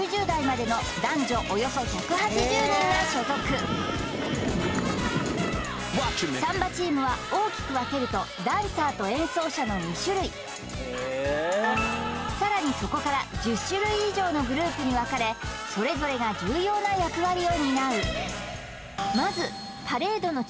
サウーヂではサンバチームは大きく分けるとダンサーと演奏者の２種類さらにそこから１０種類以上のグループに分かれそれぞれが重要な役割を担う